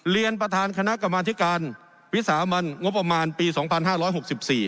เรียนประธานคณะกรรมธิการวิสามันงบประมาณปีสองพันห้าร้อยหกสิบสี่